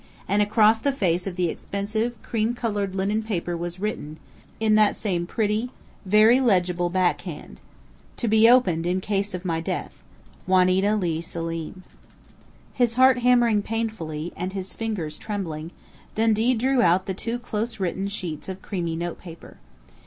_ And across the face of the expensive, cream colored linen paper was written, in that same pretty, very legible backhand: TO BE OPENED IN CASE OF MY DEATH JAUNITA LEIGH SELIM His heart hammering painfully, and his fingers trembling, Dundee drew out the two close written sheets of creamy notepaper.